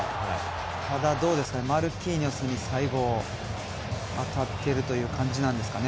ただマルキーニョスに最後、当たっているという感じなんですかね。